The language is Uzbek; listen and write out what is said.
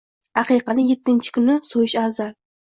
Aqiqani yettinchi kuni so‘yish afzal.